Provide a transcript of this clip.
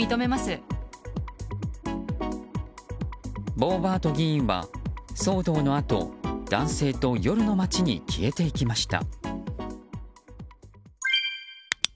ボーバート議員は、騒動のあと男性と夜の街に消えていきました。